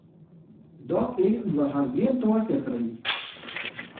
Dat lieten se har gjin twa kear freegje.